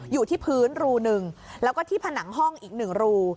อยู่ที่พื้นรูหนึ่งแล้วก็ที่ผนังห้องอีก๑รู